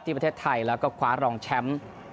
ประเทศไทยแล้วก็คว้ารองแชมป์